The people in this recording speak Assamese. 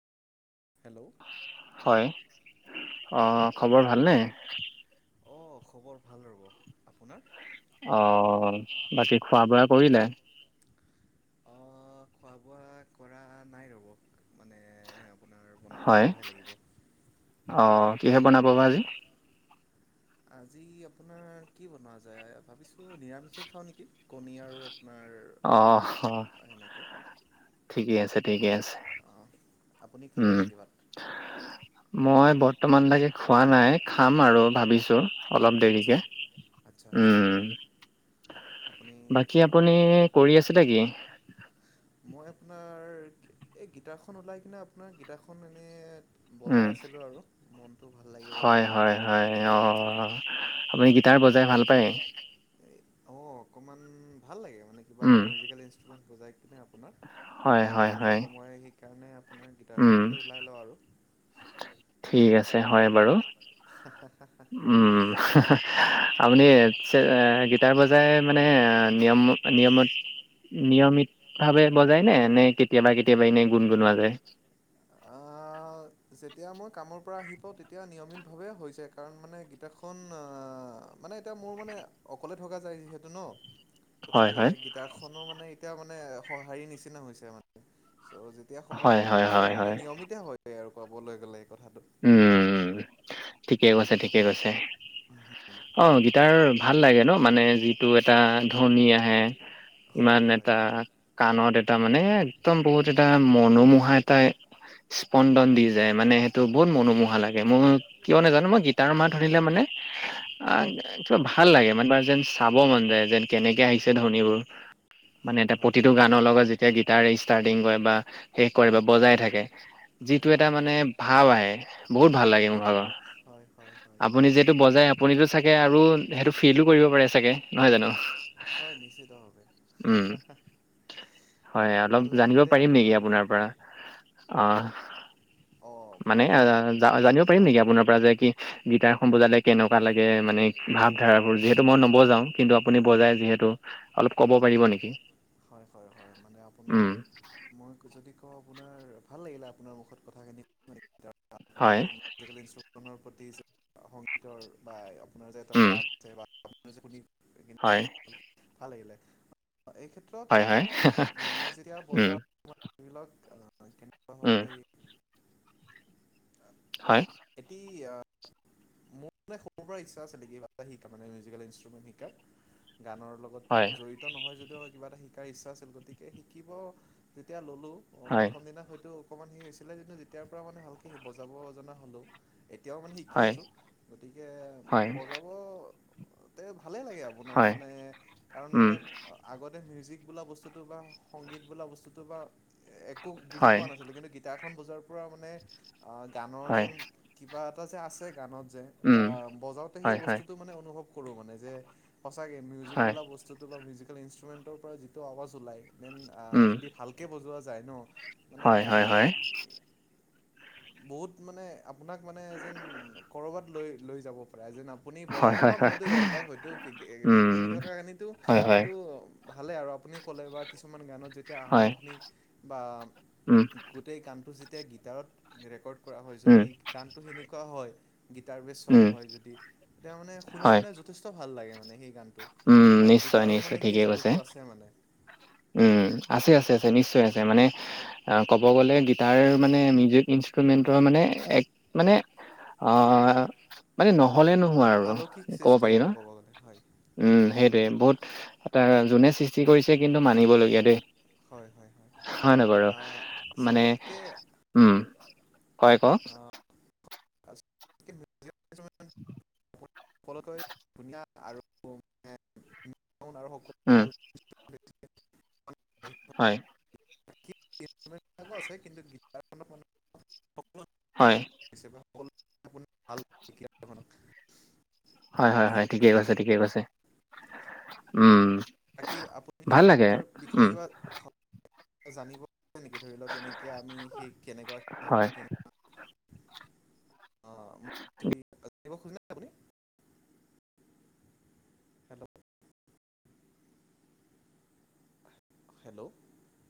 হেল্ল' হয় অ' হয় খবৰ ভালনে? অঁ খবৰ ভাল ৰ'ব, আপোনাৰ? অ' বাকী খোৱা বোৱা কৰিলে? অ' খোৱা বোৱা কৰা নাই ৰ'ব। মানে আপোনাৰ বনাব হয় যাবহে লাগিব অ' কিহে বনাব বা আপ আজি? আজি আপোনাৰ কি বনোৱা যায় ভাবিছো। নিৰামিষে খাওঁ নেকি কণী আৰু অ' আপোনাৰ সেনেকে ঠিকে আছে, ঠিকে আছে। অ' আপুনি খালে উম, নেকি ভাত? মই বৰ্তমান লকে খোৱা নাই খাম আৰু ভাবিছো। অলপ আচ্ছা দেৰিকে আচ্ছা আচ্ছা উম আপুনি বাকী আপুনি? কৰি আছিলে কি? মই আপোনাৰ এই গীটাৰখন ওলাই কিনে আপোনাৰ গীটাৰখনন এনে উম, বজাই আছিলো আৰু মনটো ভাল লাগিবৰ হয়, কাৰণে। হয়, হয়, অ' আপুনি গিটাৰ বজাই ভাল পায়! অ' অকনমান ভাল লাগে। মানে কিবা এটা উম, মিউজিকেল ইন্ৰুমেন্ট বুজাই। আপোনাৰ হয়, হয়, মাজে হয়, সময়ে সেইকাৰণে আপোনাৰ উম, গীটাৰখনকে ওলাই লওঁ আৰু ঠিক আছে হয় বাৰু উম, আপুনি গিটাৰ বজাই মানে নিয়ম নিয়মত নিয়মিত ভাৱে বজাই নে নে কেতিয়াবা কেতিয়াবা এনেই গুণ গুণোৱা যায়। উ যেতিয়া মই কামৰ পৰা আহিব পা তেতিয়া নিয়মিত ভাৱে হৈছে কাৰণ মানে গীতাপখন আহ মানে এতিয়া মোৰ মানে অকলে থকা যায় যিহেতু ন হয় গতিকে হয় গিটাৰখনো মানে এতিয়া মানে সঁহাৰি নিচিনা হৈছে মানে। চ' যেতিয়া সময় হয় পোৱা হয় তেতিয়া এই হয় মানে হয় নিয়মিততে হয় আৰু কবলৈ গ'লে এই কথাত। উম ঠিকে কৈছে! ঠিকে কৈছে অঁ। তাৰ ভাল লাগে ন মানে যিটো এটা ধনী আহে। ইমান হয় হয় এটা কাণত এটা। এটা মানে একদম বহুত এটা মনোমোহা এটা স্পন্দন দি যায় মানে স। বহুত মনোমোহা লাগে মোৰ কিয় নাজানো মই গীতাৰ মাহ ধৰিলেে মানে আহ কিবা ভাল। ভাল লাগে মানে বাৰ যেন চাব মন যায় যেন কেনেকে আহিছে ধনীবোৰ মানে এ হয় হয় প্ৰতিটো হয় গানৰ লগত যেতিয়া গিটাৰ ষ্টাৰ্টিং কৰে বা শেষ কৰে বা বজাই থাকে। হয় হয় যিটো এটা হয় মানে ভাৱ আহে বহুত ভাল লাগে হয় মোৰ ভাগৰ। হয় হয় হয় আপুনি যিহেতু বজাই আপুনিতো চাগে আৰু সেইটো ফিলো কৰিব পাৰে চাগে নহয় জানো। হয় নিশ্চয়। উম। হাঁ। হয় অলপ জানিব পাৰিম নেকি আপোনাৰ পৰা অঁ। অঁ মানে ভাল অঁ লাগিলে জানিব পাৰিম হয় নেকি আপোনাৰ পৰা যে কি! গীটাৰ খন বজালে কেনেকুৱা লাগে মানে ভাৱধাৰাবোৰ যিহেতু মই নবজাওঁ কিন্তু আপুনি বজাই যিহেতু অলপ ক'ব হয়, হয়, পাৰিব নেকি হয়, হয়, হয়, হয় আপোনাৰ উম মই যদি কওঁ আপোনাৰ ভাল লাগিলে আপোনাৰ মুখত কথাখিনি শুনি হয়। তৰ প্ৰতি সংগীতৰ বা আপোনাৰ যে এটা ৰাপ আছে বা আপোনাৰ যে শুনি। হয়। ভাল লাগিলে এই ক্ষেত্ৰত মানে মই যেতিয়া বজাওঁ বা। হয় কেনেকুৱা হয়। এটি অঁ। মোৰ মানে সৰুৰ পৰা ইচ্ছা আছে নেকি এটা শা মানে মিউজিকেল ইনষ্টুমেণ্ট। গানৰ লগত। জড়িত নহয় যদিও কিবা এটা শিকাৰ ইচ্ছা আছিল গতিকে শিকিব যেতিয়া ললো। প্ৰথম দিনা হয়তো অকমান সি হৈছিলে কিন্তু যেতিয়াৰ পৰা মানে ভালকে সি বজাব জনা হ'ল। এতিয়াও মানে শিকি আছোঁ গতিকে বজাব। ভালে লাগে আপোনাৰ মানে কাৰণ মানে আগতে মিউজিক বোলা বস্তুতটো বা সংগত বোলা বস্তুটো বা একো বুজি পোৱা নাছিলে কিন্তু গী তাখন বজোৱাৰ পৰা মানে অঁ গানৰ যেন কিবা এটা যে আছে গানত বজাওতে সেই বস্তুটো মানে অনুভৱ কৰো মানে যে সচে মিউজিক বুলা বস্তু অলপ মিউজিকেল ইনষ্ট্ৰুমেণ্টৰ পৰা যিটো আৱাজ ওলায় দেন যদি ভালকৈ বজোৱা যায় ন। হয়, হয়, হয়। মানে বহুত মানে আপোনাক মানে যেন কৰবাত লৈ লৈ যাব প যায় যেন আপুনি বজাই থকা মানুহতে গম পাই হয়তো শুনি থকা খিনিটো টো ভালে আৰু আপুনি ক'লে বা কিছুমান গানত। যেতিয়া আৰম্ভণি বা গোটেই গানটো যেতিয়া গীটাৰত ৰেকৰ্ড। কৰা হয় যদি গানটো সেনেকুৱা হয় গীটাৰ বেষ্ট চং হয় যদি। এতিয়া মানে শুনি মানে যথেষ্ট ভাল লাগে মানে সেই গানটো। আৰু নিশ্চয় গীটাৰৰ নিশ্চয় মানে সেই ঠিকেই কৈছে যাদুটো আছে মানে উম আছে আছে আছে নিশ্চয় আছে মানে অঁ ক'ব গ'লে গীটাৰ মানে মিউজিক ইনষ্টুমেণ্টতৰ মানে মানে অঁ মানে নহ'লে নোহোৱা আৰু আলৌকিক ক'ব সৃষ্টি পাৰি ন আৰু ক'ব গ'লে হয় উম সেইটোৱে বহুত ত যোনে সৃষ্টি কৰিছে কিন্তু মানিবলগীয়া দেই! হয় হয় হয় নহয় বাৰু মানে চবতকে উম হয়। হয় ক‌ওক। আ [unintelligible] [unintelligible] সকলোকে ধুনীয়া আৰু আৰু সকলে উম ভাল। [unintelligible] হয়। হয় [unintelligible] আপোনাৰ ভাল গীতাৰ কিনক। হয় হয় হয়, ঠিকেই কৈছে ঠিকেই কৈছে উম। বাকী আপুনি ভাল লাগে গীতাৰ বিষয়ে উম কিবা জানিব। নেকি, ধৰি লওক কেনেকে আমি সেই কেনেকুৱা থাক হয় কেনেকুৱা। অ মোক যদি। জানিব খুজিলে আপুনি হেল্ল'। হেল্ল'।